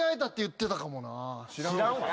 ・知らんわ！